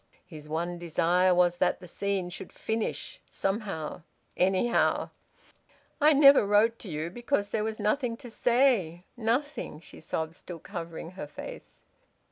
His one desire was that the scene should finish, somehow, anyhow. "I never wrote to you because there was nothing to say. Nothing!" She sobbed, still covering her face.